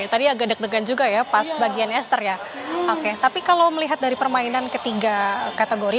tadi agak deg degan juga ya pas bagian ester ya oke tapi kalau melihat dari permainan ketiga kategori